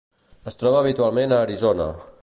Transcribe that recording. Es troba habitualment a Arizona.